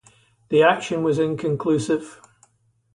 The action was inconclusive.